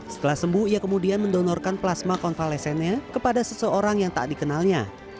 setelah sembuh ia kemudian mendonorkan plasma konvalesennya kepada seseorang yang tak dikenalnya